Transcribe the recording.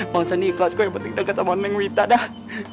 bang sani ikut kok yang penting dia gak sama neng wita dah